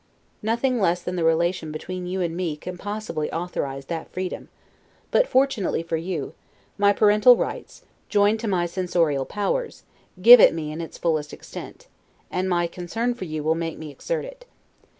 Nothing less than the relation between you and me can possibly authorize that freedom; but fortunately for you, my parental rights, joined to my censorial powers, give it me in its fullest extent, and my concern for you will make me exert it.